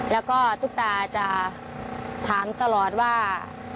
แล้วก็สามารถถามตลอดว่า